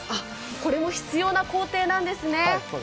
これも必要な工程なんですね。